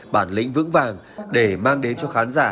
bản lĩnh vững vàng để mang đến cho khán giả